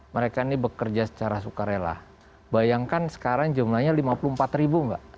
mereka ini bekerja secara sukarela bayangkan sekarang jumlahnya lima puluh empat ribu mbak